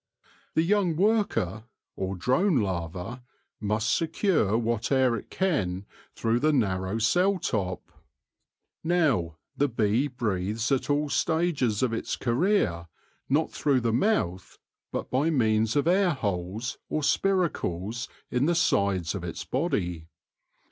The young worker or drone larva must secure what air it can through the narrow cell top. Now, the bee breathes at all stages of its career not through the mouth, but by means of air holes or spiracles in the sides of its body.